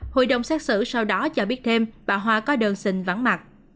hội đồng xét xử sau đó cho biết thêm bà hoa có đơn xin vắng mặt